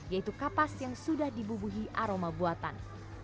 yaitu kapas yang sudah dibubuhi aroma buatan